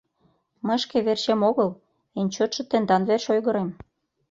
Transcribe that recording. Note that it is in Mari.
Мый шке верчем огыл, эн чотшо тендан верч ойгырем.